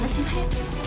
haneh sih maya